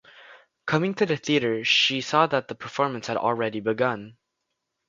Coming to the theatre, she saw that the performance had already begun.